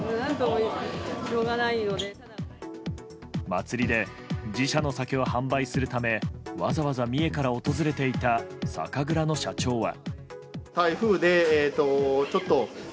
祭りで自社の酒を販売するためわざわざ三重から訪れていた酒蔵の社長は。